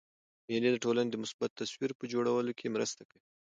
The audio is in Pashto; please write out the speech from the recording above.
مېلې د ټولني د مثبت تصویر په جوړولو کښي مرسته کوي.